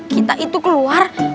kita itu keluar